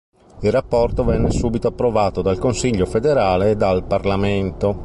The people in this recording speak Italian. Il rapporto venne subito approvato dal Consiglio federale e dal parlamento.